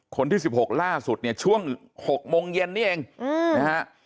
คนที่๑๖ล่าสุดเนี่ยช่วง๖โมงเย็นนี่เองนะฮะ